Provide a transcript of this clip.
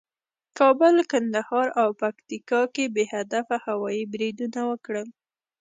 کابل، کندهار او پکتیکا کې بې هدفه هوایي بریدونه وکړل